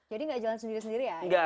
jadi gak jalan sendiri sendiri ya